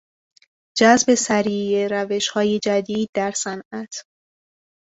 جذب سریع روشهای جدید در صنعت